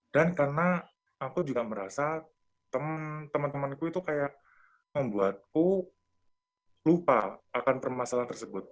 dan karena aku juga merasa teman temanku itu kayak membuatku lupa akan permasalahan tersebut